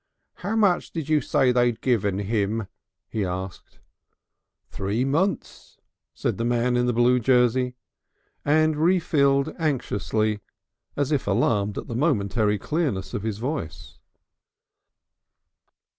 "How much did you say they'd given him?" he asked. "Three munce," said the man in the blue jersey, and refilled anxiously, as if alarmed at the momentary clearness of his voice.